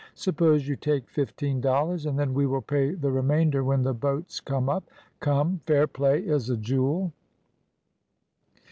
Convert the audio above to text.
"Suppose you take fifteen dollars, and then we will pay the remainder when the boats come up come, fair play is a jewel."